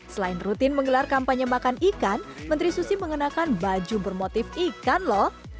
selain rutin menggelar kampanye makan ikan menteri susi mengenakan baju bermotif ikan lho